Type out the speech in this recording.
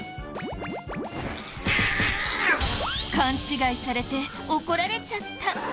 勘違いされて怒られちゃった。